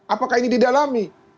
apakah ini didalami